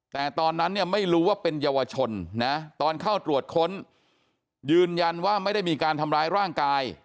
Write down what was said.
แต่ตอนนั้นเนี่ยไม่รู้ว่าเป็นเยาวชนนะตอนเข้าตรวจค้นยืนยันว่าไม่ได้มีการทำร้ายร่างกาย